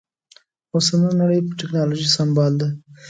اوسنۍ نړۍ په ټکنالوژي سمبال ده